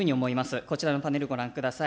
こちらのパネル、ご覧ください。